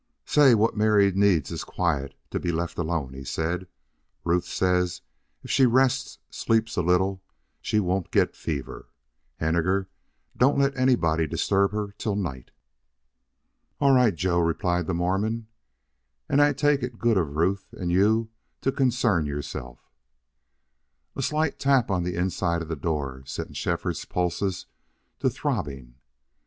"Say, what Mary needs is quiet to be left alone," he said. "Ruth says if she rests, sleeps a little, she won't get fever.... Henninger, don't let anybody disturb her till night." "All right, Joe," replied the Mormon. "An' I take it good of Ruth an' you to concern yourselves." A slight tap on the inside of the door sent Shefford's pulses to throbbing.